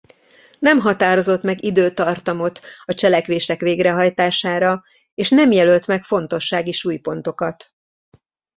Nem határozott meg időtartamot a cselekvések végrehajtására és nem jelölt meg fontossági súlypontokat.